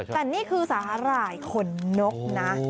แต่นี่คือสาหร่ายขนนกนะ